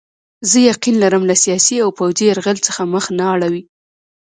زه یقین لرم له سیاسي او پوځي یرغل څخه مخ نه اړوي.